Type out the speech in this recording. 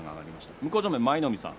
向正面の舞の海さん